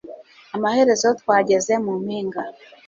Amaherezo twageze mu mpinga